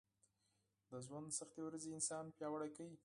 د ژونــد سختې ورځې انـسان پـیاوړی کوي